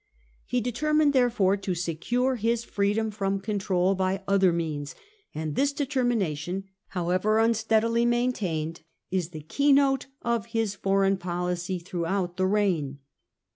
He determined therefore to secure his freedom from control by other means, and this determination, however un steadily maintained, is the keynote of his foreign policy throughout the reign.